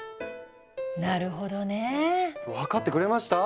なるほどね。分かってくれました？